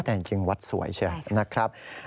แต่จริงวัดสวยเชียวนะครับ